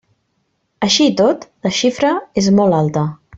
Així i tot, la xifra és molt alta.